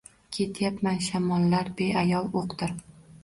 Ketyapman, shamollar beayov o‘qdir.